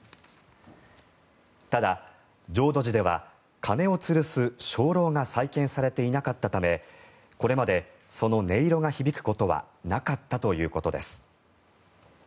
ただ、浄土寺では鐘をつるす鐘楼が再建されていなかったためこれまでその音色が響くことはなかったということです。